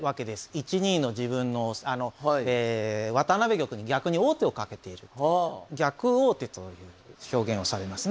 １二の自分の渡辺玉に逆に王手をかけているという逆王手という表現をされますね。